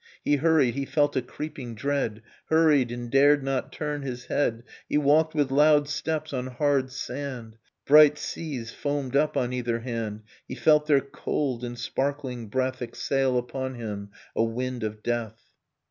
. He hurried, he felt a creeping dread. Hurried, and dared not turn his head ... He walked with loud steps on hard sand. Bright seas foamed up on either hand; He felt their cold and sparkling breath Exhale upon him a wind of death.